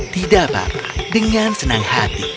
tidak bab dengan senang hati